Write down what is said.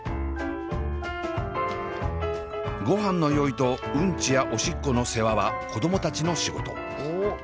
ごはんの用意とうんちやおしっこの世話は子供たちの仕事。